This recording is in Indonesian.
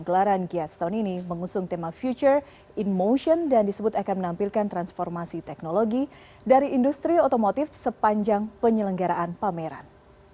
gelaran gias tahun ini mengusung tema future in motion dan disebut akan menampilkan transformasi teknologi dari industri otomotif sepanjang penyelenggaraan pameran